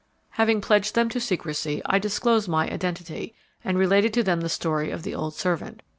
"Having pledged them to secrecy, I disclosed my identity and related to them the story of the old servant.